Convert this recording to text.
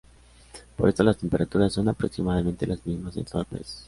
Por esto las temperaturas son aproximadamente las mismas en todo el país.